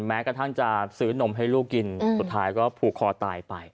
แม้กระทั่งจะซื้อนมให้ลูกกินสุดท้ายก็ผูกคอตายไป